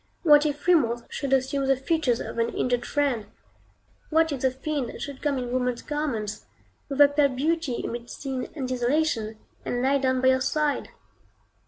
What if Remorse should assume the features of an injured friend? What if the fiend should come in woman's garments, with a pale beauty amid sin and desolation, and lie down by your side?